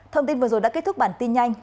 thông tin vừa rồi đã kết thúc bản tin nhanh